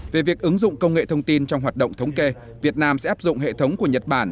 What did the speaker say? về việc ứng dụng công nghệ thông tin trong hoạt động thống kê việt nam sẽ áp dụng hệ thống của nhật bản